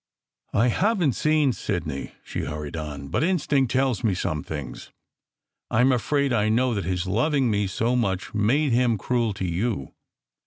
" I haven t seen Sidney," she hurried on. " But instinct tells me some things. I m afraid I know that his loving SECRET HISTORY 313 me so much made him cruel to you.